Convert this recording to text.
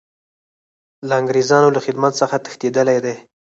له انګریزانو له خدمت څخه تښتېدلی دی.